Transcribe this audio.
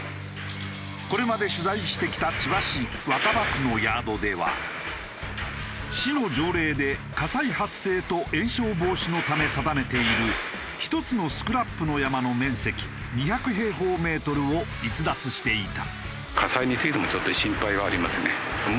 これまで取材してきた市の条例で火災発生と延焼防止のため定めている１つのスクラップの山の面積２００平方メートルを逸脱していた。